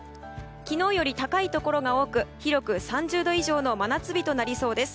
昨日より高いところが多く広く３０度以上の真夏日となりそうです。